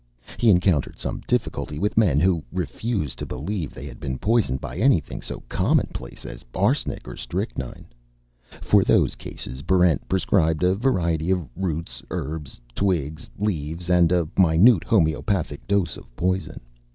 He encountered some difficulty with men who refused to believe they had been poisoned by anything so commonplace as arsenic or strychnine. For those cases, Barrent prescribed a variety of roots, herbs, twigs, leaves, and a minute homeopathic dose of poison.